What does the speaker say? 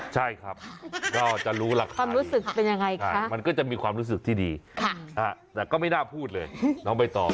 ใช่ครับก็จะรู้หลักฐานมันก็จะมีความรู้สึกที่ดีแต่ก็ไม่น่าพูดเลยน้องใบตอบ